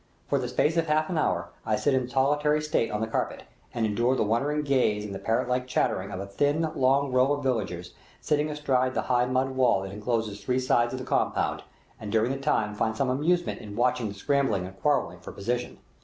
For the space of half an hour, I sit in solitary state on the carpet, and endure the wondering gaze and the parrot like chattering of a thin, long row of villagers, sitting astride the high mud wall that encloses three sides of the compound, and during the time find some amusement in watching the scrambling and quarrelling for position.